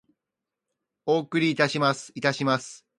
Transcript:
お送りいたします。いたします。